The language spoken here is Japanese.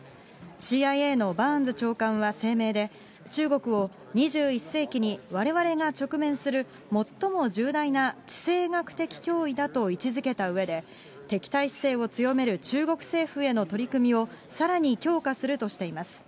ＣＩＡのバーンズ長官は声明で、中国を２１世紀にわれわれが直面する最も重大な地政学的脅威だと位置づけたうえで、敵対姿勢を強める中国政府への取り組みをさらに強化するとしています。